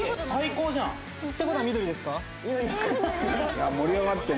いやあ盛り上がってるな。